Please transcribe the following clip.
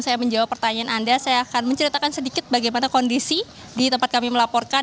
saya menjawab pertanyaan anda saya akan menceritakan sedikit bagaimana kondisi di tempat kami melaporkan